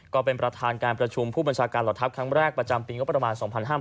ก็เป็นประธานการประชุมผู้บัญชาการเหล่าทัพครั้งแรกประจำปีงบประมาณ๒๕๕๙